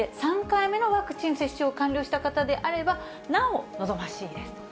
３回目のワクチン接種を完了した方であれば、なお望ましいです。